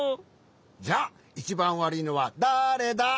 じゃあいちばんわるいのはだれだ？